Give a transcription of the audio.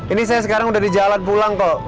ini saya sekarang udah di jalan pulang kok